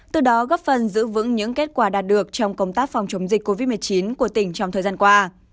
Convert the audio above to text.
từ đó góp phần giữ vững những kết quả đạt được trong công tác phòng chống dịch covid một mươi chín của tỉnh trong thời gian qua